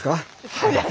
はい。